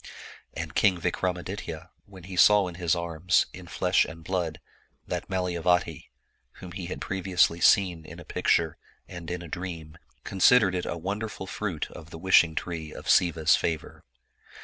And King Vikramaditya, when he saw in his arms, in flesh and blood, that Malayavati, whom he had previously seen in a picture and in a dream, considered it a wonderful fruit of the wishing tree of Siva's favor.